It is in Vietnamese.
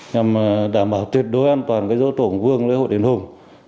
nhằm đảm bảo tuyệt đối an toàn cái rỗ tổ hùng vương lễ hội đền hùng